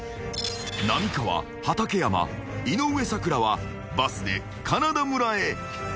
［浪川・畠山・井上咲楽はバスでカナダ村へ］